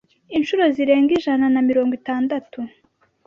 inshuro zirenga ijana na mirongo itandatu